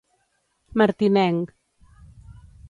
Martinenc.